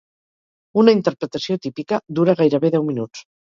Una interpretació típica dura gairebé deu minuts.